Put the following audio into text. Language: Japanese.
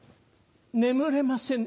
眠れませぬ。